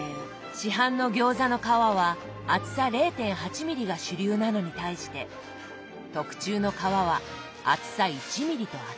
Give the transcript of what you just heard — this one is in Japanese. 市販の餃子の皮は厚さ０．８ミリが主流なのに対して特注の皮は厚さ１ミリと厚め。